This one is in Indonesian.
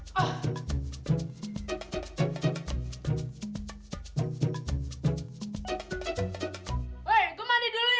woy gue mandi dulu ya